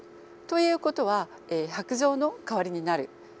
ということは白杖の代わりになる。